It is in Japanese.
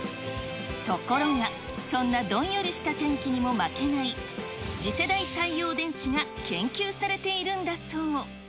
ところが、そんなどんよりした天気にも負けない、次世代太陽電池が研究されているんだそう。